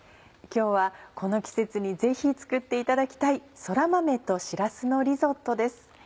今日はこの季節にぜひ作っていただきたい「そら豆としらすのリゾット」です。